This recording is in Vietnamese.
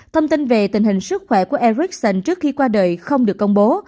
thông tin về tình hình sức khỏe của ericsson trước khi qua đời không được công bố